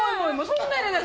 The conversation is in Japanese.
そんな入れない